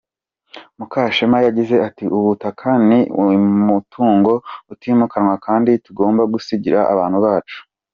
Mukashema yagize ati: “Ubutaka ni umutungo utimukanwa kandi tugomba gusigira abana bacu.